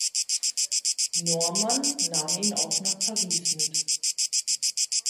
Normann nahm ihn auch nach Paris mit.